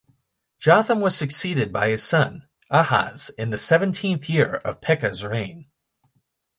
Jotham was succeeded by his son, Ahaz in the seventeenth year of Pekah's reign.